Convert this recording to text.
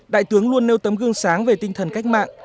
đại tướng luôn nêu tấm gương sáng về tinh thần cách mạng